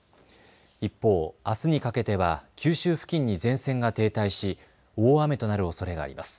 一方、あすにかけては九州付近に前線が停滞し大雨となるおそれがあります。